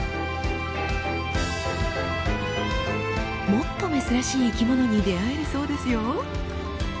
もっと珍しい生きものに出会えるそうですよ。